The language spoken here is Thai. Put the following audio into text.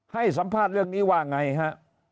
ให้สัมภาษณ์เรื่องนี้ว่าไงฮะ